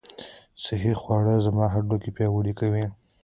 صحي خواړه زما هډوکي پیاوړي کوي.